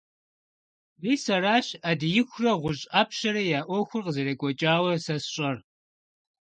Мис аращ Ӏэдиихурэ ГъущӀ Ӏэпщэрэ я Ӏуэхур къызэрекӀуэкӀауэ сэ сщӀэр.